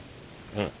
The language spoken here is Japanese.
うん